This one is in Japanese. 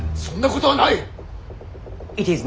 そんなことはない！